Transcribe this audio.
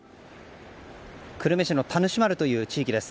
久留米市の田主丸という地域です。